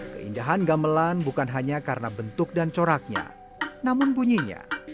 keindahan gamelan bukan hanya karena bentuk dan coraknya namun bunyinya